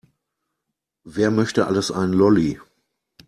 Wer möchte alles einen Lolli?